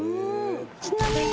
ちなみに。